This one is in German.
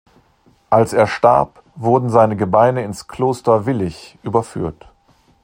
Als er starb, wurden seine Gebeine ins Kloster Vilich überführt.